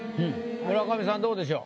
村上さんどうでしょう？